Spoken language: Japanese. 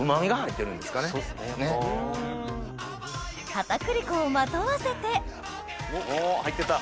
片栗粉をまとわせてお入っていった。